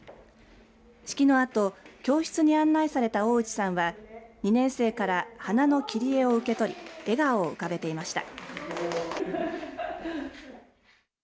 式のあと教室に案内された大内さんは２年生から花の切り絵を受け取り笑顔を浮かべていました。